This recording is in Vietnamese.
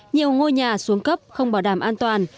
nhiều ngôi nhà xuống cấp không bảo đảm an toàn